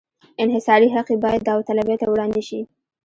انحصاري حق یې باید داوطلبۍ ته وړاندې شي.